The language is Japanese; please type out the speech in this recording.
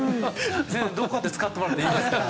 どこかで使ってもらっていいですからね。